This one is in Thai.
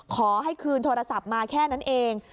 ขอให้คืนโทรศัพท์มาแค่นั้นเอง